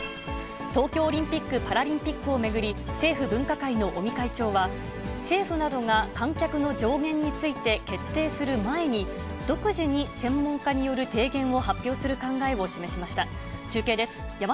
東京オリンピック・パラリンピックを巡り、政府分科会の尾身会長は、政府などが観客の上限について決定する前に、独自に専門家による提言を発表する考えを示しました。